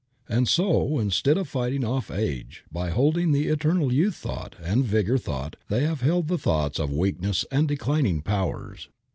And so instead of fighting off age by holding the eternal youth thought and the vigor thought they have held the thoughts of weakness and declining powers.